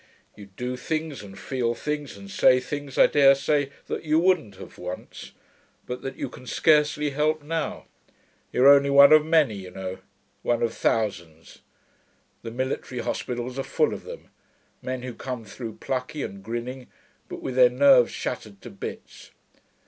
You do things and feel things and say things, I dare say, that you wouldn't have once, but that you can scarcely help now. You're only one of many, you know one of thousands. The military hospitals are full of them; men who come through plucky and grinning but with their nerves shattered to bits.